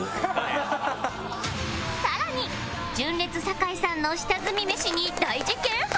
さらに純烈酒井さんの下積みメシに大事件発生！